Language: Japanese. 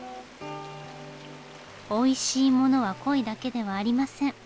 おいしいものはコイだけではありません。